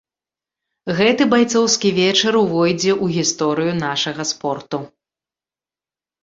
Гэты байцоўскі вечар увойдзе ў гісторыю нашага спорту.